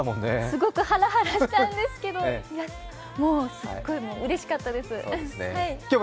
すごくハラハラしたんですけど、すっごいうれしかったです。